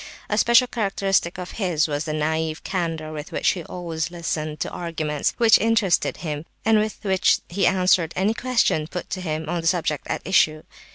A special characteristic of his was the naive candour with which he always listened to arguments which interested him, and with which he answered any questions put to him on the subject at issue.